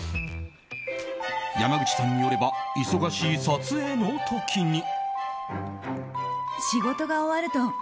山口さんによれば忙しい撮影の時に。